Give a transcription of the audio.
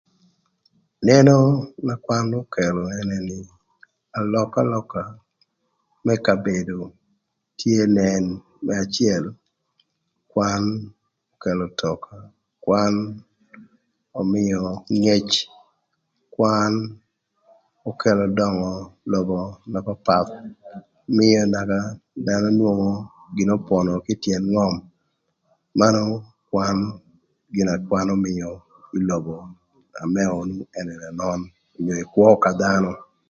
Neno më kwan okelo ënë nï, alökalöka më kabedo tye nen, më acël kwan okelo ötöka, kwan ömïö ngec, kwan okelo döngö lobo na papath, ömïö naka da anwongo gin n'opono kï ï tyën ngö manu kwan gin na kwan ömïö ï lobo na më onu ën ënön obedo ï kwö ka dhanö.